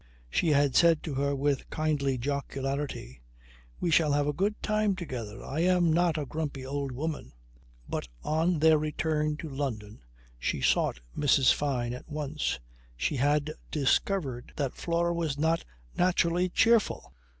She had said to her with kindly jocularity: "We shall have a good time together. I am not a grumpy old woman." But on their return to London she sought Mrs. Fyne at once. She had discovered that Flora was not naturally cheerful.